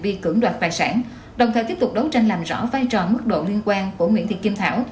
vi cưỡng đoạt tài sản đồng thời tiếp tục đấu tranh làm rõ vai trò mức độ liên quan của nguyễn thị kim thảo